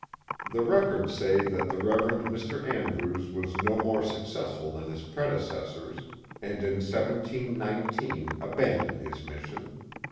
The records say that the Rev. Mr. Andrews was no more successful than his predecessors, and in 17 19 abandoned his mission.